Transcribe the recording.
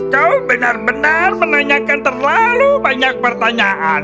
kau benar benar menanyakan terlalu banyak pertanyaan